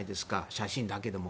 写真だけでも。